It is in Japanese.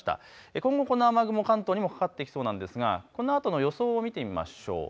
今後この雨雲、関東にもかかってきそうなんですがこのあとの予想を見てみましょう。